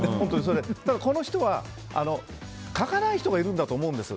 ただ、この人は書かない人がいるんだと思うんです。